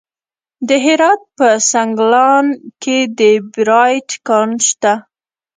د هرات په سنګلان کې د بیرایت کان شته.